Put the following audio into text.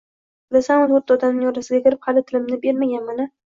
Bilasanmi, toʻrtta odamning orasiga kirib, hali tilimni bermaganman-a